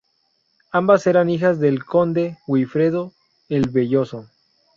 Ambas eran hijas del conde Wifredo el Velloso.